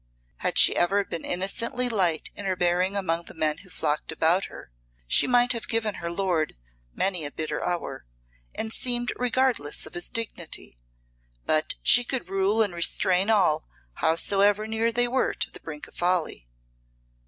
Had she even been innocently light in her bearing among the men who flocked about her, she might have given her lord many a bitter hour, and seemed regardless of his dignity; but she could rule and restrain all, howsoever near they were to the brink of folly.